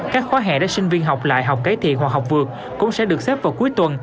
các khóa hẹn để sinh viên học lại học cái thị hoặc học vượt cũng sẽ được xếp vào cuối tuần